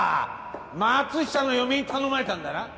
松下の嫁に頼まれたんだな。